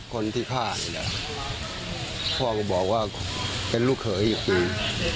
คนที่พาพ่อก็บอกว่าเป็นลูกเผย์อีกนึง